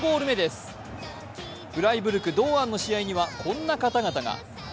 フライブルク・堂安の試合にはこんな方々が。